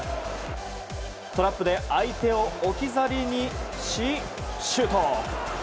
トラップで相手を置き去りにしシュート。